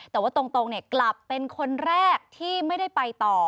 แต่ว่าตรงกลับเป็นคนแรกที่ไม่ได้ไปต่อ